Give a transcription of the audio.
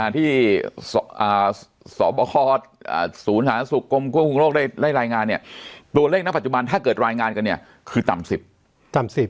ที่สบคศูนย์สาธารณสุขกรมควบคุมโรคได้รายงานเนี่ยตัวเลขณปัจจุบันถ้าเกิดรายงานกันเนี่ยคือต่ำ๑๐ต่ำ๑๐